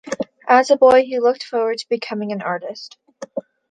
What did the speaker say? As a boy he looked forward to becoming an Artist.